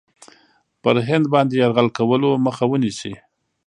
پر هند باندي یرغل کولو مخه ونیسي.